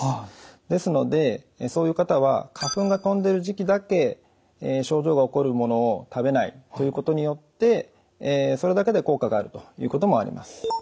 ですのでそういう方は花粉が飛んでる時期だけ症状が起こるものを食べないということによってそれだけで効果があるということもあります。